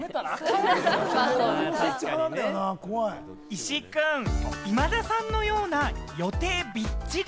石井君、今田さんのような予定ビッチリ